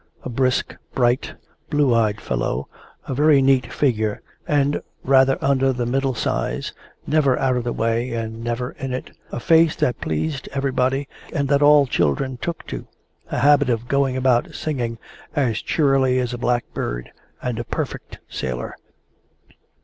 A brisk, bright, blue eyed fellow, a very neat figure and rather under the middle size, never out of the way and never in it, a face that pleased everybody and that all children took to, a habit of going about singing as cheerily as a blackbird, and a perfect sailor.